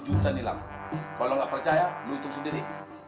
enam puluh juta nih lang kalau gak percaya lu hitung sendiri